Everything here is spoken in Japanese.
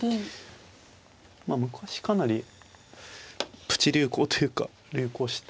まあ昔かなりプチ流行というか流行して。